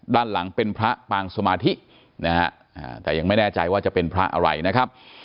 ด้านหลังเป็นพระปางสมาธินะฮะแต่ยังไม่แน่ใจว่าจะเป็นพระอะไรนะครับ